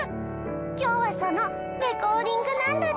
今日はそのレコーディングなんだって！